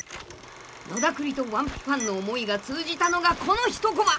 ［野田クリと『ワンピ』ファンの思いが通じたのがこの一コマ］